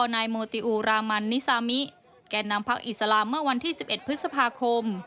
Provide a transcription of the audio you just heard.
นายโมติอูรามันนิซามิแก่นำพักอิสลามเมื่อวันที่๑๑พฤษภาคม